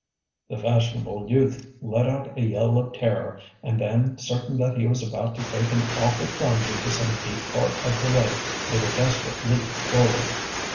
The fashionable youth let out a yell of terror, and then, certain that he was about to take an awful plunge into some deep part of the lake, made a desperate leap forward.